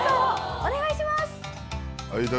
お願いします